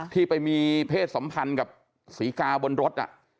ที่ไปมีเพศสัมพันธ์กับศรีกาบนรถ